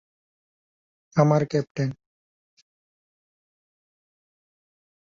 আমার ক্যাপ্টেন!